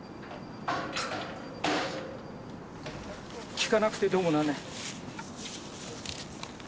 効かなくてどうもなんない。